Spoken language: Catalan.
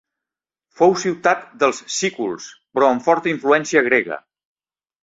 Fou ciutat dels sículs però amb forta influència grega.